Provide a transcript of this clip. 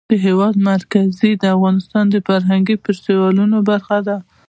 د هېواد مرکز د افغانستان د فرهنګي فستیوالونو برخه ده.